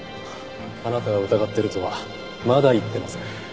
あなたを疑ってるとはまだ言ってません。